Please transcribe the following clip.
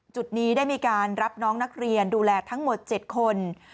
จุดนี้ได้มีการรับน้องนักเรียนดูแลทั้งหมด๗คน